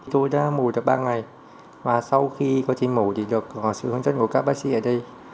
tôi đã mổ được ba ngày và sau khi quá trình mổ thì được sự hướng dẫn của các bác sĩ ở đây